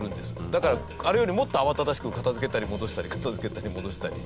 だからあれよりもっと慌ただしく片付けたり戻したり片付けたり戻したり。